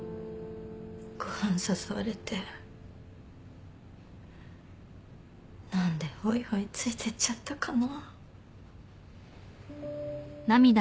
ご飯誘われて何でほいほいついてっちゃったかな。